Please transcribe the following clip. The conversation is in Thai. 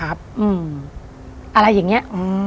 อะไรอย่างนี้